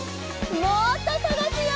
もっとさがすよ！